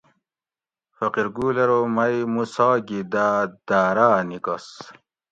فقیر گل ارو میٔں موسیٰ گی دا دارہ نیکس